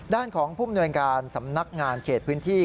ด้านของผู้มนวยการสำนักงานเขตพื้นที่